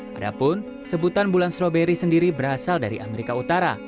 padahal sebutan bulan stroberi sendiri berasal dari amerika utara